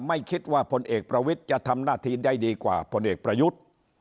ไม่คิดว่าพลเอกประวิทย์จะทำหน้าที่ได้ดีกว่าผลเอกประยุทธ์